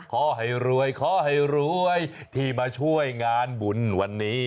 ขอให้รวยขอให้รวยที่มาช่วยงานบุญวันนี้